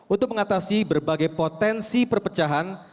untuk mengatasi berbagai potensi perpecahan